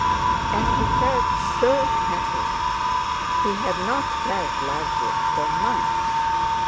And he had felt so happy; he had not felt like it for months.